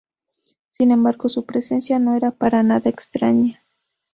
Sin embargo, su presencia no era para nada extraña.